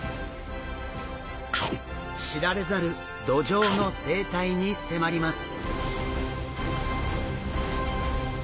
知られざるドジョウの生態に迫ります。